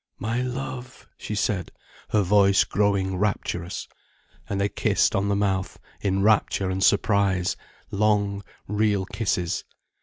"My love," she said, her voice growing rapturous. And they kissed on the mouth, in rapture and surprise, long, real kisses.